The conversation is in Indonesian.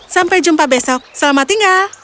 sampai jumpa besok selamat tinggal